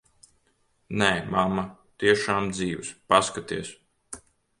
Nē, mamma, tiešām dzīvs. Paskaties.